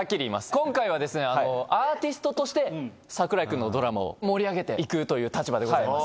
今回はアーティストとして櫻井君のドラマを盛り上げて行くという立場でございます。